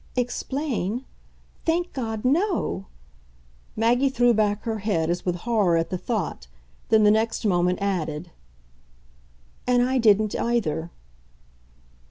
"Explain? Thank God, no!" Maggie threw back her head as with horror at the thought, then the next moment added: "And I didn't, either."